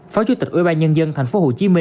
phó chủ tịch ubnd tp hcm